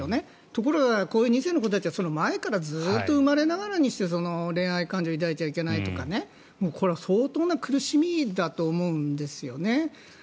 ところがこういう２世の子たちはその前からずっと生まれながらにして恋愛感情を抱いちゃいけないとかこれは相当な苦しみだと思うんですよね。